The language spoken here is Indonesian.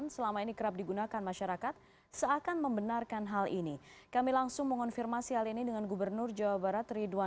semua sistem pertahanan air ini memang jeboloh